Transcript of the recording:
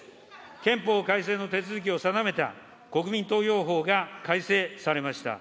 憲法改正の手続きを定めた国民投票法が改正されました。